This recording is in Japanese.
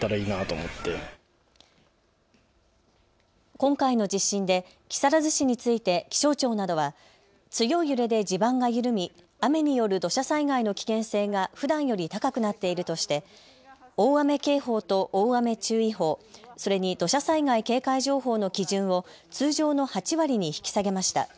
今回の地震で木更津市について気象庁などは強い揺れで地盤が緩み雨による土砂災害の危険性がふだんより高くなっているとして大雨警報と大雨注意報、それに土砂災害警戒情報の基準を通常の８割に引き下げました。